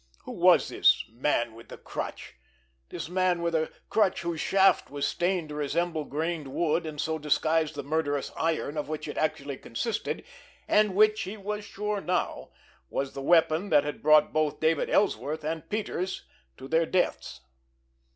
Who was this Man With The Crutch—this man with a crutch whose shaft was stained to resemble grained wood and so disguise the murderous iron of which it actually consisted, and which, he was sure now, was the weapon that had brought both David Ellsworth and Peters to their deaths?